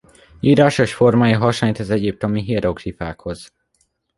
Írásos formája hasonlít az egyiptomi hieroglifákhoz.